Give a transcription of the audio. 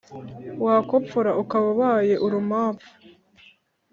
wakopfora, ukaba ubaye urumampfu